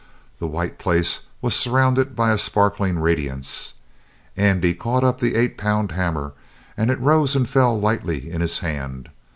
The white place was surrounded by a sparkling radiance. Andy caught up an eight pound hammer, and it rose and fell lightly in his hand.